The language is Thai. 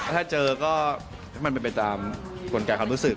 ถ้าเจอก็ให้มันเป็นไปตามกลไกความรู้สึก